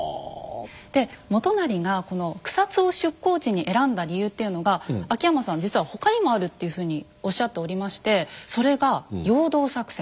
で元就がこの草津を出港地に選んだ理由っていうのが秋山さん実は他にもあるっていうふうにおっしゃっておりましてそれが陽動作戦。